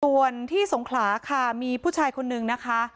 ส่วนที่สงขลาค่ะมีผู้ชายคนนึงนะคะ